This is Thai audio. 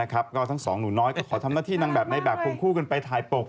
ก็ทั้งสองหนูน้อยก็ขอทำหน้าที่นางแบบในแบบควงคู่กันไปถ่ายปก